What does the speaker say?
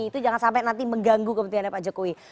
itu jangan sampai nanti mengganggu kepentingannya pak jokowi